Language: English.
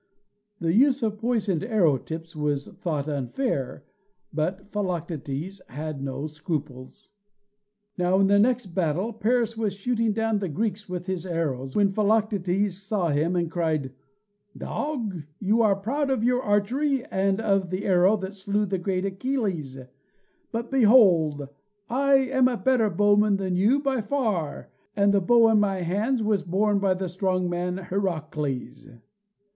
The use of poisoned arrow tips was thought unfair, but Philoctetes had no scruples. Now in the next battle Paris was shooting down the Greeks with his arrows, when Philoctetes saw him, and cried: "Dog, you are proud of your archery and of the arrow that slew the great Achilles. But, behold, I am a better bowman than you, by far, and the bow in my hands was borne by the strong man Heracles!"